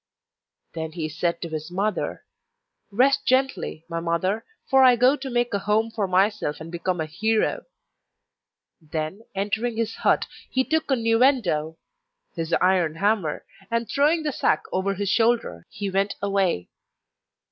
Then he said to his mother: 'Rest gently, my mother, for I go to make a home for myself and become a hero.' Then, entering his hut he took Nu endo, his iron hammer, and throwing the sack over his shoulder, he went away.